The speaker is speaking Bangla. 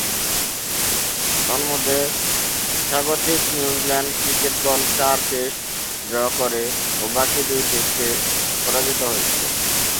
তন্মধ্যে স্বাগতিক নিউজিল্যান্ড ক্রিকেট দল চার টেস্ট ড্র করে ও বাকী দুই টেস্টে পরাজিত হয়েছিল।